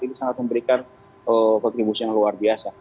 ini sangat memberikan kontribusi yang luar biasa